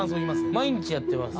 毎日やってます